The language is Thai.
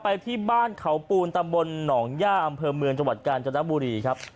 ไปที่บ้านเขาปูนตำบลหนองย่าอำเภอเมืองจังหวัดกาญจนบุรีครับ